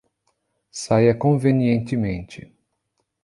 Saia convenientemente.